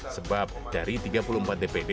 sebab dari tiga puluh empat dpd